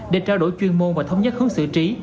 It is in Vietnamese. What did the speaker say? để trao đổi chuyên môn và thống nhất hướng xử trí